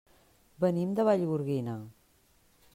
Venim de Vallgorguina.